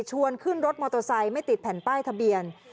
วนขึ้นรถมอเตอร์ไซค์ไม่ติดแผ่นป้ายทะเบียน